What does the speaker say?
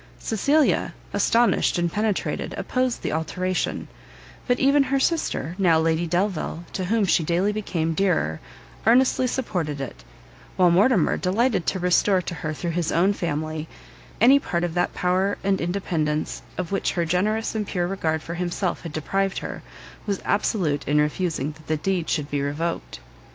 Cecilia, astonished and penetrated, opposed the alteration; but even her sister, now Lady Delvile, to whom she daily became dearer, earnestly supported it; while Mortimer, delighted to restore to her through his own family, any part of that power and independence of which her generous and pure regard for himself had deprived her, was absolute in refusing that the deed should be revoked.